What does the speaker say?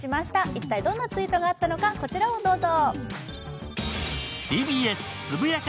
一体、どんなツイートがあったのかこちらをどうぞ。